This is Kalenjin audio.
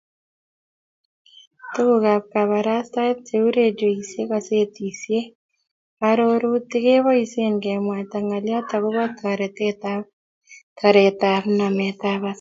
Tugukab kabarastaet cheu redioisiek, gazetisiek, arorutik keboisie kemwaita ngolyot agobo taretab nametab osoya